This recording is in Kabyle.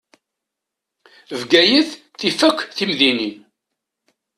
Bgayet tif akk timdinin.